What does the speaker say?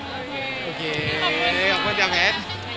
โอเคขอบคุณที่ยาวแพทย์